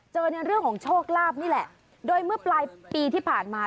ในเรื่องของโชคลาภนี่แหละโดยเมื่อปลายปีที่ผ่านมา